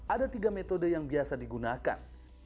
ada tiga metode yang biasa digunakan